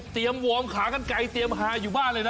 วอร์มขากันไกลเตรียมฮาอยู่บ้านเลยนะ